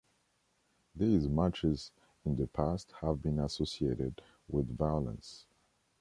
These matches in the past have been associated with violence.